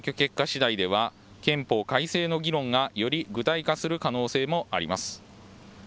しだいでは憲法改正の議論がより具体化する可能性もあります。